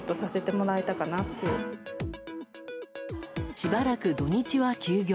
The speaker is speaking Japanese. しばらく土日は休業。